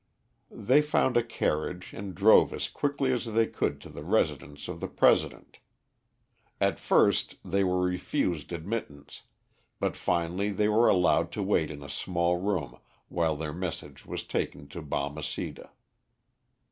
They found a carriage and drove as quickly as they could to the residence of the President. At first they were refused admittance, but finally they were allowed to wait in a small room while their message was taken to Balmeceda.